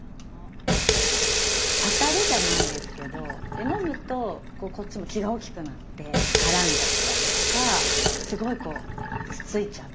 あたるじゃないですけど飲むとこっちも気が大きくなってからんじゃったりとかすごいこうつついちゃったりとかをして。